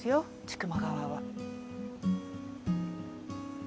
千曲川は。